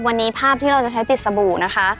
วันนี้ภาพที่เราจะใช้ติดสบู่นะคะ